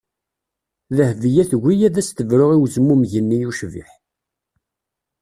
Dehbiya tugi ad as-tebru i wezmumeg-nni ucbiḥ.